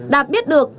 đạt biết được